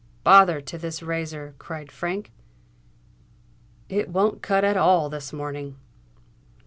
"Bother to this razor!" cried Frank: "it won't cut at all this morning!"